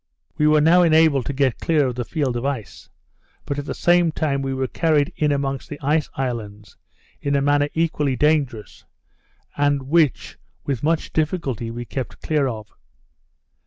We were now enabled to get clear of the field of ice: but at the same time we were carried in amongst the ice islands, in a manner equally dangerous, and which with much difficulty we kept clear of.